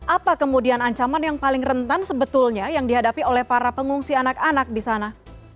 apa kemudian ancaman yang paling rentan sebetulnya yang dihadapi oleh para pengungsi anak anak di sana